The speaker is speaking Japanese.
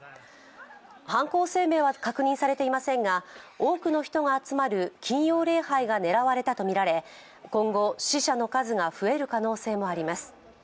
犯行声明は確認されていませんが多くの人が集まる金曜礼拝が狙われたとみられ今後、死者の数が増える可能性もあります。